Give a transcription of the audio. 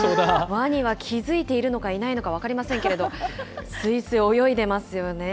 ワニは気付いているのかいないのか分かりませんけれども、すいすい泳いでますよね。